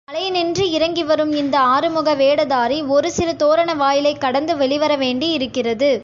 மலையினின்று இறங்கி வரும் இந்த ஆறுமுக வேடதாரி, ஒரு சிறு தோரண வாயிலைக் கடந்து வெளிவர வேண்டியிருக்கிறது.